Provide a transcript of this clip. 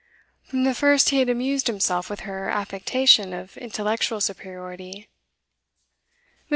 From the first he had amused himself with her affectation of intellectual superiority. Miss.